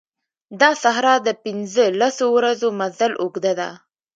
دا صحرا د پنځه لسو ورځو مزل اوږده ده.